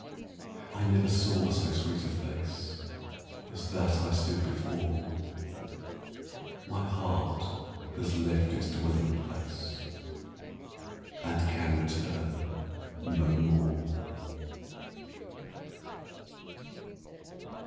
I never saw so sweet a face As that I stood before: My heart has left its dwelling place And can return no more.